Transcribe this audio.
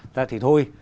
ta thì thôi